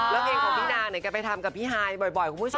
แล้วเองของพี่นาจะไปทำกะพิหายบ่อยคุณผู้ชม